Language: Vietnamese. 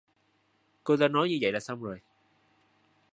Cô ta Nói như vậy là xong rồi